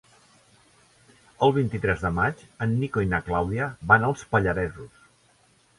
El vint-i-tres de maig en Nico i na Clàudia van als Pallaresos.